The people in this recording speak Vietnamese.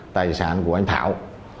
tài sản của anh thảo